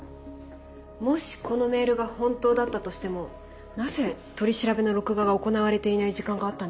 もしこのメールが本当だったとしてもなぜ取り調べの録画が行われていない時間があったんでしょうね？